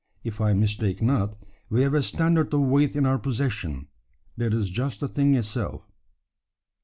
If I mistake not, we have a standard of weight in our possession, that is just the thing itself."